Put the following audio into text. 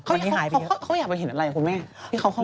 เขาไม่อยากไปเห็นอะไรหรอคุณแม่